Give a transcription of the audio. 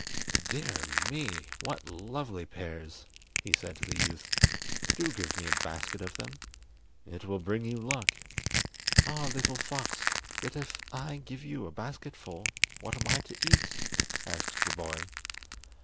"Dear me; what lovely pears!" he said to the youth. "Do give me a basket of them. It will bring you luck!" "Ah, little fox, but if I give you a basketful, what am I to eat?" asked the boy.